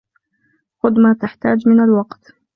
خذ ما تحتاج من الوقت.